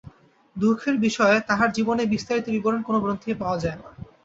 দুঃখের বিষয়, তাঁহার জীবনের বিস্তারিত বিবরণ কোনো গ্রন্থেই পাওয়া যায় না।